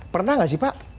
pernah nggak sih pak